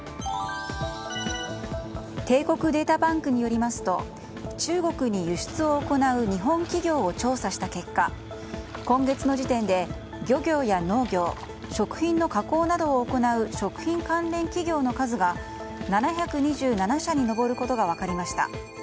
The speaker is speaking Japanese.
帝国データバンクによりますと中国に輸出を行う日本企業を調査した結果今月の時点で漁業や農業食品の加工などを行う食品関連企業の数が７２７社に上ることが分かりました。